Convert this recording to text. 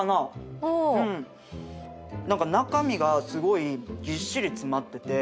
何か中身がすごいぎっしり詰まってて。